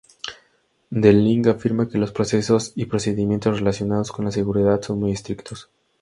D-Link afirma que los procesos y procedimientos relacionados con la seguridad son muy estrictos.